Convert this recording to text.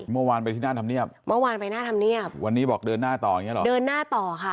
เมื่อวานไปที่หน้าธรรมเนียบเมื่อวานไปหน้าธรรมเนียบวันนี้บอกเดินหน้าต่ออย่างเงี้หรอเดินหน้าต่อค่ะ